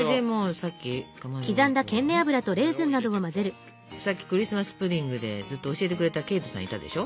さっきクリスマス・プディングでずっと教えてくれたケイトさんいたでしょ。